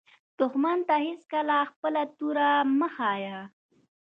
دښمن ته هېڅکله خپله توره مه ښایه